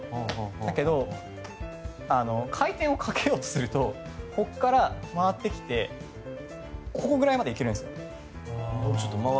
だけど、回転をかけようとするとここから回ってきてここぐらいまで行けるんです。